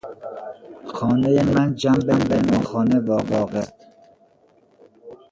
خانهُ من جنب مهمانخانه واقع است.